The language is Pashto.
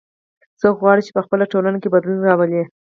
څوک غواړي چې په خپله ټولنه کې بدلون راولي